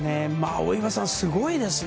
大岩さん、すごいですね。